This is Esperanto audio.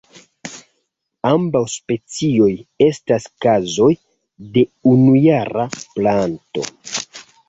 Ambaŭ specioj estas kazoj de unujara planto.